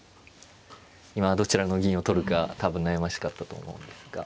今どちらの銀を取るか多分悩ましかったと思うんですが。